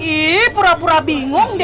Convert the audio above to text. ih pura pura bingung deh